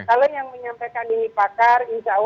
kalau yang menyampaikan ini pakar insya allah